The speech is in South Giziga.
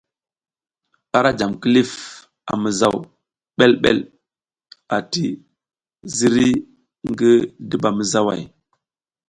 Ara jam kilif a mizaw ɓelɓel ati ziri ngi dubamizaw.